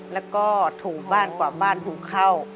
แล้วก็ถูบ้านกว่าบ้านถูกเข้า